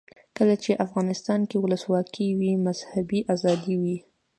کله چې افغانستان کې ولسواکي وي مذهبي آزادي وي.